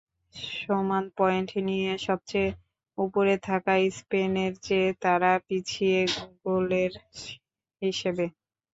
সমান পয়েন্ট নিয়ে সবচেয়ে ওপরে থাকা স্পেনের চেয়ে তারা পিছিয়ে গোলের হিসেবে।